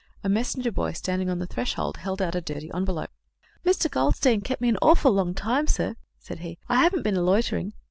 A messenger boy, standing on the threshold, held out a dirty envelope. "Mr. Goldstein kept me a awful long time, sir," said he; "I haven't been a loitering."